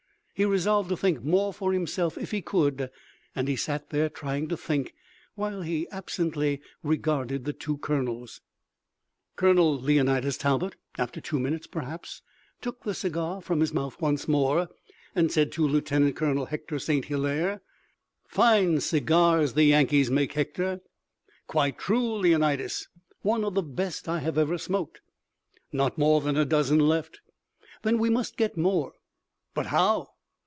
He resolved to think more for himself if he could, and he sat there trying to think, while he absently regarded the two colonels. Colonel Leonidas Talbot, after two minutes perhaps, took the cigar from his mouth once more and said to Lieutenant Colonel Hector St. Hilaire: "Fine cigars the Yankees make, Hector." "Quite true, Leonidas. One of the best I have ever smoked." "Not more than a dozen left." "Then we must get more." "But how?"